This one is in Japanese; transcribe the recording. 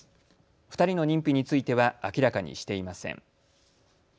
２人の認否については明らかにしていません。